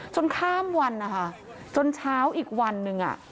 ข้ามวันนะคะจนเช้าอีกวันหนึ่ง